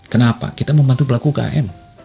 kenapa kita membantu pelaku ukm